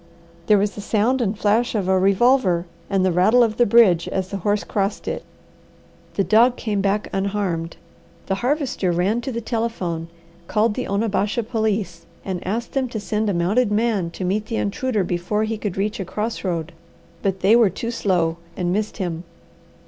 There was the sound and flash of a revolver, and the rattle of the bridge as the horse crossed it. The dog came back unharmed. The Harvester ran to the telephone, called the Onabasha police, and asked them to send a mounted man to meet the intruder before he could reach a cross road; but they were too slow and missed him.